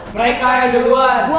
mereka yang duluan